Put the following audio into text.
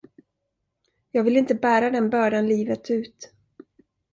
Jag vill inte bära den bördan livet ut.